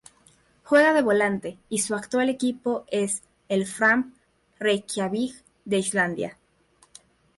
Juega de volante y su actual equipo es el Fram Reykjavík de Islandia.